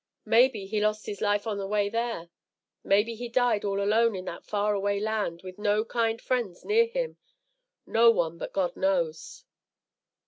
"Maybe he lost his life on the way there. Maybe he died all alone in that far away land, with no kind friends near him. No one but God knows."